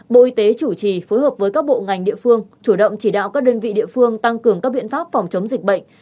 bộ y tế chủ trì phối hợp với các bộ ngành địa phương chủ động chỉ đạo các đơn vị địa phương tăng cường các biện pháp phòng chống dịch bệnh